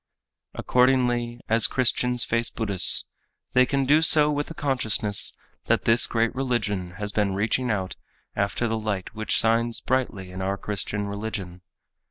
Accordingly, as Christians face Buddhists, they can do so with the consciousness that this great religion has been reaching out after the light which shines brightly in our Christian religion.